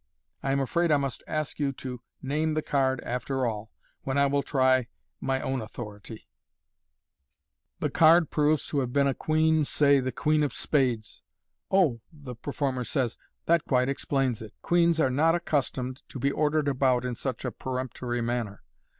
I am afraid I must ask you to name the card, after all, when I will try my own authority.*' T 126 MODERN MAGIC. card proves to have been a queen, say the queen of spades. " Ohfr the performer says, " that quite explains it. Queens are not accus tomed to be ordered about in such a peremptory manner.